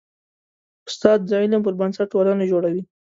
استاد د علم پر بنسټ ټولنه جوړوي.